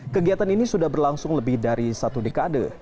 kegiatan ini sudah berlangsung lebih dari satu dekade